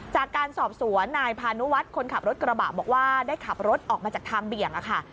จากการสอบสวนนายพานุวัฒน์คนขับรถกระบะบอกว่าได้ขับรถออกมาจากทางเบี่ยงค่ะ